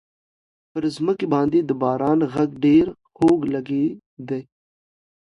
پر مځکي باندي د باران غږ ډېر خوږ لګېدی.